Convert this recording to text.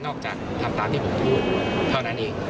จากทำตามที่ผมพูดเท่านั้นเอง